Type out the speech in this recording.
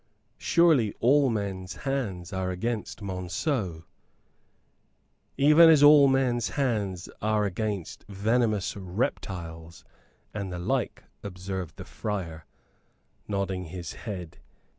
"Surely all men's hands are against Monceux!" "Even as all men's hands are against venomous reptiles and the like," observed the friar, nodding his head.